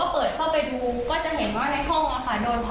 พี่ที่เขาเห็นเขาก็เข้ามาดูให้และก็งั้นเขาก็จะเห็นร้อยไหม้ค่ะ